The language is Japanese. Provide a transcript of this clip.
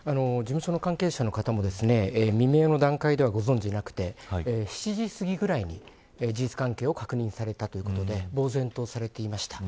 事務所の関係者の方も未明の段階ではご存じなくて７時すぎぐらいに事実関係を確認されたということで呆然とされていました。